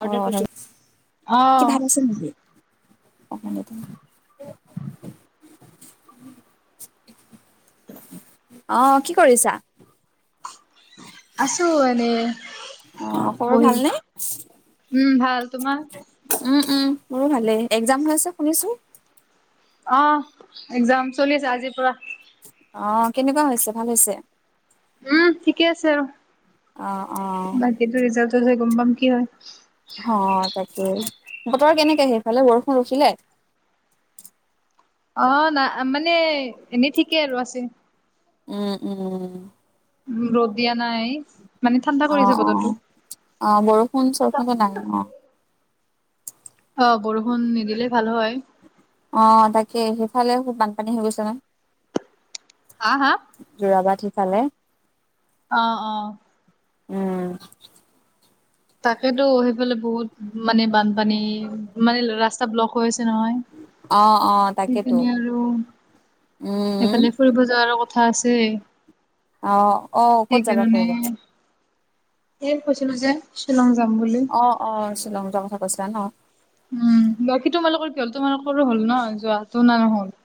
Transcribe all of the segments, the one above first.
[unintelligible] কি অ', ভাত আছিল নেকি? [unintelligible] [unintelligible] অ, কি কৰিছাঁ? আছো এনে অ' খবৰ বহি ভালনে? উম, ভাল তোমাৰ? উম-উম মোৰো ভালেই এক্সাম হৈ আছে শুনিছোঁ? অ, এক্সাম চলি আছে আজিৰ পৰা। অ, কেনেকুৱা হৈছে ভাল হৈছে। উম, ঠিকে আছে আৰু। অ', অ', সেইটো ৰিজাল্টটোত হে গম পাম কি হয়। হ, তাকেই বতৰ কেনেকে সেইফালে বৰষুণ ৰখিলে? অ, না মানে এনেই ঠিকেই আৰু আছে। উম-উম ৰদ দিয়া নাই। মানে ঠাণ্ডা অ কৰিছে অ বতৰটো। অ বৰষুণ চৰষুণো নাই অ। অ বৰষুণ নিদিলে ভাল হয়। অ তাকে সেইফালে খুব বানপানী হৈ গৈছে মানে হা হা। যোৰাবাট সিফালে। অ অ উম তাকেতো সেফালে বহুত মানে বানপানী মানে ৰাচ স্তা ব্লক হৈছে নহয় অ', অ' তাকেতো সেইখিনি আৰু উম, এইফালে ফুৰিব যোৱাৰো কথা আছেই। অ অ ক'ত যাবা ফুৰিবলে এ কৈছিলো যে শ্বিলং যাম বুলি। অ', অ শ্বিলং যোৱাৰ কথা কৈছিলা ন। উম বাকী তোমালোকৰ কি হ'ল তোমালোকৰো হ'ল ন যোৱাতো না নহ'ল।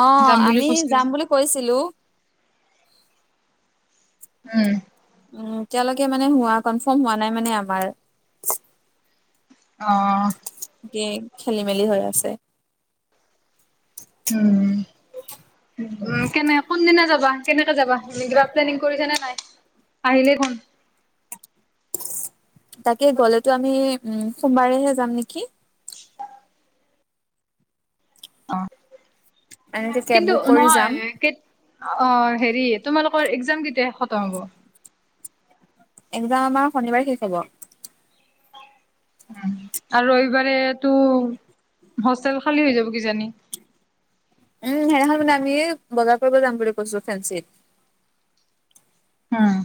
অ যাম বুলি আমি কৈছিলে যাম যে। বুলি কৈছিলো। উম উম এতিয়ালৈকে মানে হোৱা কনফাৰ্ম হোৱা নাই মানে আমাৰ। অ কি খেলি মেলি হৈ আছে। উম উম কেনে কোনদিনা যাবা। কেনেকে যাবা কিবা প্লেনিং কৰিছা নে নাই আহিলে কোন? তাকে গ'লেতো আমি উম সোমবাৰেহে যাম নিকি। [unintelligible] অ এনেকে কেব কিন্তু বুক কৰি নহয় যাম কেত অ হেৰি তোমালোকৰ একজাম কেতিয়া খতম হ'ব? একজাম আমাৰ শনিবাৰে শেষ হ'ব। উম আৰু ৰবিবাৰেটো হোষ্টেল খালী হৈ যাব কিজানি। উম সেনাখন মানে আমি বজাৰ কৰিব যাম বুলি কৈছো ফেঞ্চিত। উম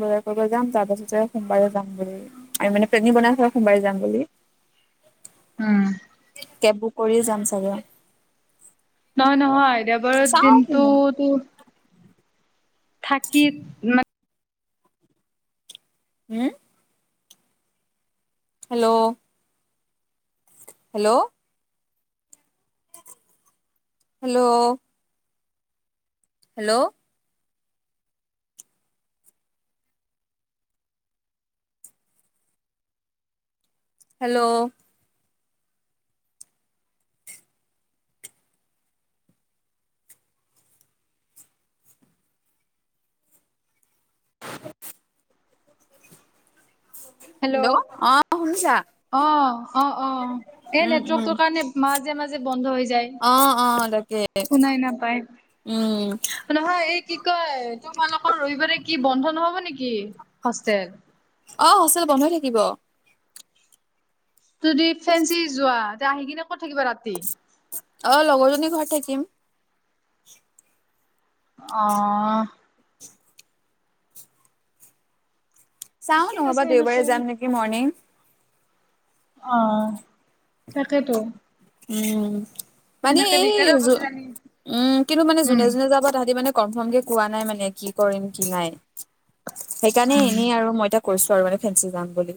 বজাৰ কৰিব যাম তাৰ পাছতে সোমবাৰে যাম বুলি আমি মানে প্লেনিং বনাই থৈছোঁ সোমবাৰে যাম বুলি উম কেব বুক কৰিয়ে যাম চাগে নহয় নহয় দেওবাৰত চাওঁ কি হয় দিনটোতো থাকি মা উম! Hello hello hello hello hello hello hello অ শুনিছা। অ অ অ এই উম, উম। নেটৱৰ্কটোৰ কাৰণে মাজে মাজে বন্ধ হৈ যায় নেটৱৰ্কে শুনাই নাপায় উম নহয় এই কি কয় তোমালোকৰ ৰবিবাৰে কি বন্ধ নহব নেকি হোষ্টেল অ হোষ্টেল বন্ধই থাকিব তুদি ফেঞ্চি যোৱা আহি কিনে ক'ত থাকিবা ৰাতি অ লগৰজনী ঘৰত থাকিম অ'। চাওঁ ঠিকে আছে নহ'বা, দেওবাৰে এনেকৈ যাম নেকি মৰ্ণিং! অ' তাকে তো। উম মানে এই দিগদাৰে হ'ব যো কিজানি উম কিন্তু মানে উম যোনে যোনে যাব তাহাঁতি মানে কনফৰ্ম কে কোৱা নাই মানে কি কৰিম কি নাই সেইকাৰণে উম এনেই আৰু মই কৈছো আৰু মানে ফেঞ্চি যাম বুলি।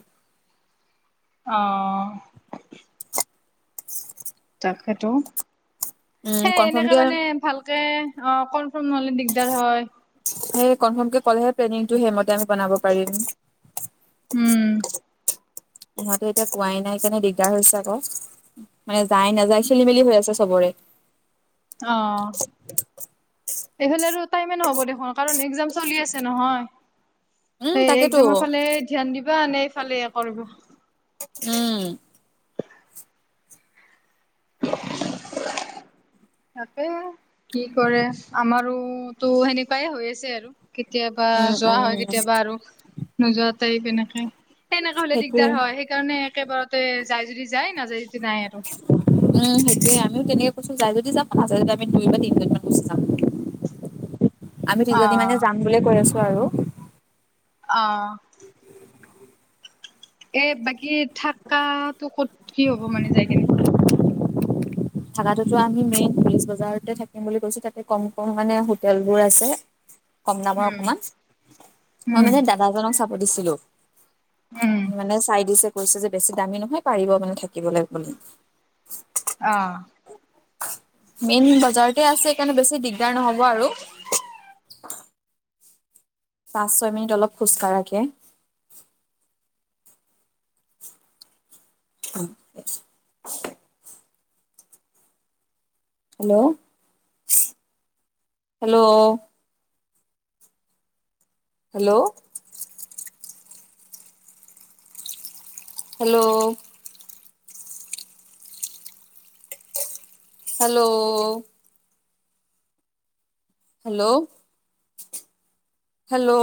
অ'। তাকেতো। উম সেই কনফাৰ্ম এনেকে কে মানে ভালকে অ' কনফৰ্ম নহ'লে দিগদাৰ হয়। সেই কনফৰ্মকে ক'লেহে প্লেনিংটো সেইমতে আমি বনাব পাৰিম। উম। পোহাতো এতিয়া কোৱাই নাই কেনে দিগদাৰ হৈছে। ক মানে যাই নাযায় খেলি মেলি হৈ আছে চবৰে। অ'। এইফালে আৰু টাইমে নহ'ব দেখোন কাৰণ এক্সাম চলি আছে নহয়। উম সেয়ে তাকেতো একজামৰ ফালে ধ্যান দিবা নে এইফালে কৰিব। উম। [unintelligible] তাকে কি কৰে আমাৰোতো সেনেকুৱাই হৈ আছে আৰু। কেতিয়াবা উম যোৱা হয় উম কেতিয়াবা আৰু নোযোৱা টাইপ এনেকাই। তেনেকা হ'লে সেইটোৱে দিগদাৰ হয়। সেইকাৰণে একেবাৰতে যাই যদি যায় নাযায় যদি নাই আৰু। উম, সেইটোয়ে আমিও তেনেকে কৈছো যায় যদি যাক, নাযায় যদি আমি দুই বা তিনজনমান গুচি যাম। [unintelligible] আমি অ দুজনী মানে যাম বুলিয়ে কৈ আছো আৰু। অহ। এ বাকী থাকাটো ক'ত কি হ'ব মানে যাই কেনে? থাকাতো টো আমি মেইন বিজ বজাৰতে থাকিম বুলি কৈছো। তাতে কম, কম মানে হোটেল বোৰ আছে। [inaudible] কম দামৰ অকমান মই উম মানে দাদাজনক চাব দিছিলো। উম মানে চাই দিছে কৈছে যে বেছি দামী নহয় পাৰিব মানে থাকিবলে বুলি। অ'। মেইন বজাৰতে আছে সেইকাৰণে বেছি দিগদাৰ নহ'ব আৰু। পাঁচ, ছয় মিনিট অলপ খোজ কাঢ়াকে। [unintelligible] Hello, hello. Hello. Hello. Hello. Hello. Hello.